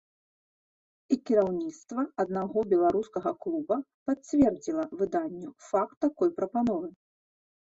І кіраўніцтва аднаго беларускага клуба пацвердзіла выданню факт такой прапановы.